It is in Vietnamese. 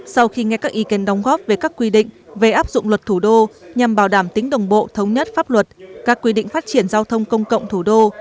sau khi nghe các ý kiến đóng góp về các quy định về áp dụng luật thủ đô nhằm bảo đảm tính đồng bộ thống nhất pháp luật các quy định phát triển giao thông công cộng thủ đô